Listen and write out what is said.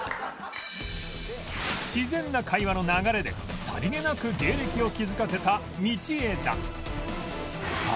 自然な会話の流れでさりげなく芸歴を気づかせた道枝